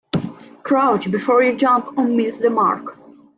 Crouch before you jump or miss the mark.